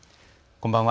こんばんは。